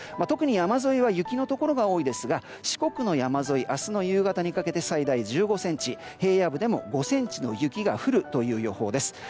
特に山沿いは雪のところが多いですが四国の山沿いは明日の夕方にかけて最大１５ｃｍ平野部でも５ｃｍの雪が降る予報です。